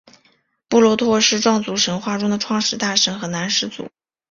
布洛陀是壮族神话中的创世大神和男始祖。